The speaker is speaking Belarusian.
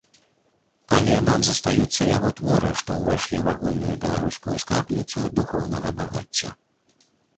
Але нам застаюцца яго творы, што ўвайшлі ў агульную беларускую скарбніцу духоўнага багацця.